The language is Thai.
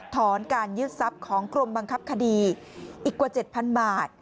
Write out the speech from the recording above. ถอนการยึดทรัพย์ของกรมบังคับคดีอีกกว่า๗๐๐บาท